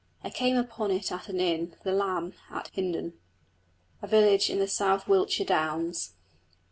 I came upon it at an inn, the Lamb, at Hindon, a village in the South Wiltshire downs.